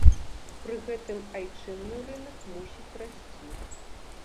Пры гэтым айчынны рынак мусіць расці.